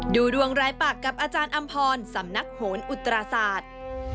ดูดวงรายปากกับอาจารย์อำพรสำนักโหนอุตราศาสตร์